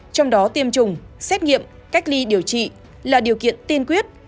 trong đó tiêm chủng xét nghiệm cách ly điều trị là điều kiện tiên quyết